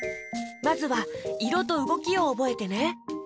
まずはいろとうごきをおぼえてね。